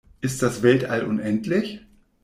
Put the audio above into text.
Ist das Weltall unendlich?